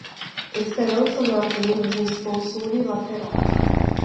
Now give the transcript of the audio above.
Esperança não é apenas um esforço unilateral